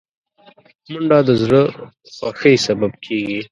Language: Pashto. منډه د زړه خوښۍ سبب کېږي